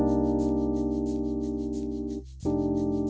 mungkin tidak disebut sih siapa